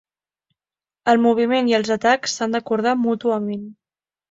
El moviment i els atacs s'han d'acordar mútuament.